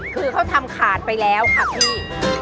คือเขาทำขาดไปแล้วค่ะพี่